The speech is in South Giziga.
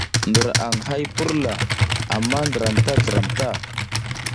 Ndra aƞ hay purla amma ndra anta zliram ta.